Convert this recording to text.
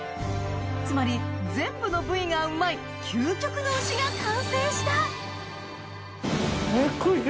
つまり全部の部位がうまい究極の牛が完成した！